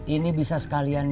ini bisa sekalian